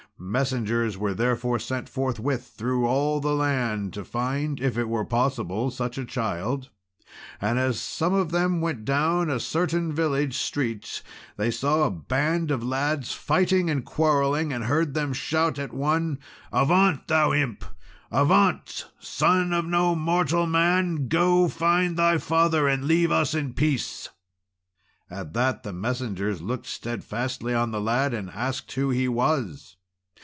Messengers were therefore sent forthwith through all the land to find, if it were possible, such a child. And, as some of them went down a certain village street, they saw a band of lads fighting and quarrelling, and heard them shout at one "Avaunt, thou imp! avaunt! Son of no mortal man! go, find thy father, and leave us in peace." At that the messengers looked steadfastly on the lad, and asked who he was.